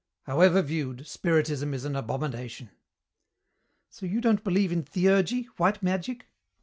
"However viewed, Spiritism is an abomination." "So you don't believe in theurgy, white magic?"